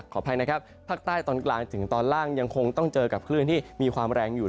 ขออภัยนะครับภาคใต้ตอนกลางถึงตอนล่างยังคงต้องเจอกับคลื่นที่มีความแรงอยู่